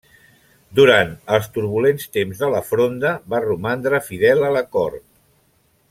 Durant els turbulents temps de La Fronda va romandre fidel a la cort.